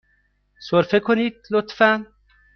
سرفه کنید، لطفاً.